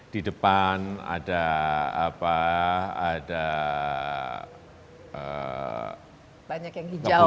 di depan ada apa ada banyak yang hijau